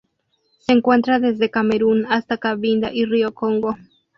Se encuentra desde Camerún hasta Cabinda y río Congo.